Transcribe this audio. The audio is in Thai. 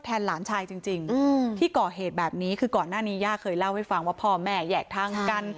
หลานชายจริงที่ก่อเหตุแบบนี้คือก่อนหน้านี้ย่าเคยเล่าให้ฟังว่าพ่อแม่แยกทางกัน